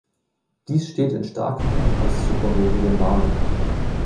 Dies steht in starkem Kontrast zu vorherigen Wahlen.